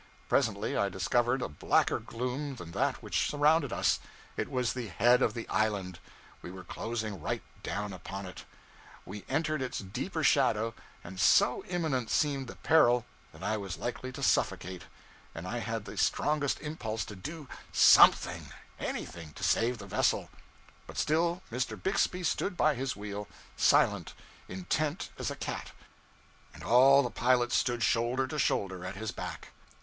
Presently I discovered a blacker gloom than that which surrounded us. It was the head of the island. We were closing right down upon it. We entered its deeper shadow, and so imminent seemed the peril that I was likely to suffocate; and I had the strongest impulse to do something, anything, to save the vessel. But still Mr. Bixby stood by his wheel, silent, intent as a cat, and all the pilots stood shoulder to shoulder at his back.